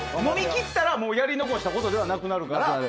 飲みきったらもうやり残したことではなくなるから。